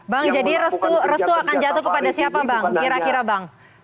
bang jadi restu akan jatuh kepada siapa bang kira kira bang